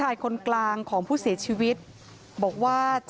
อยากบอกอะไรไปถึงครอบครัวให้พี่สำรวจ